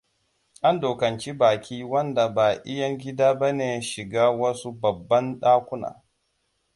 An dokance baki wanda ba iyan gida ba ne shigan wasu babban ɗakuna.